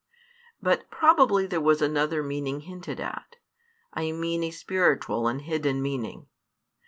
But probably there was another meaning hinted at; I mean a spiritual and hidden meaning.